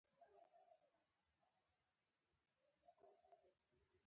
ژبه د اړیکو ملا ده